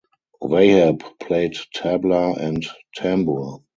Wahab played tabla and tambur.